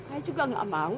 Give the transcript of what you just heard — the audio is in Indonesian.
aku juga gak mau